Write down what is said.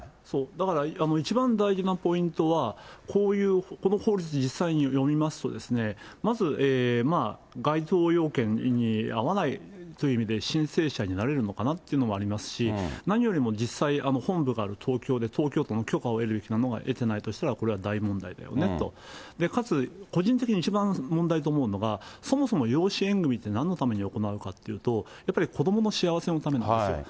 だから、一番大事なポイントは、こういうこの法律、実際に読みますとですね、まず該当要件に合わないという意味で、申請者になれるのかなっていうのがありますし、何よりも実際、本部がある東京で、東京都の許可を得るべきなのに得てないとしたらこれは大問題だよねと、かつ個人的に一番問題と思うのが、そもそも養子縁組ってなんのために行うかというと、やっぱり子どもの幸せのためなんですよ。